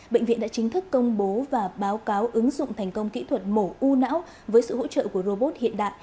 bệnh viện đã chính thức công bố và báo cáo ứng dụng thành công kỹ thuật mổ u não với sự hỗ trợ của robot hiện đại